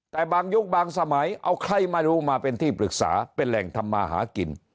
แต่บางยุคบางสมัยเอาใครมารู้มาเป็นที่ปรึกษาเป็นแหล่งทำมาหากิน